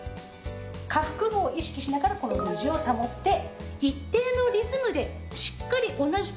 下腹部を意識しながらこのＶ字を保って一定のリズムでしっかり同じ所に戻す。